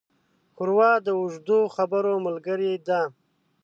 ښوروا د اوږدو خبرو ملګري ده.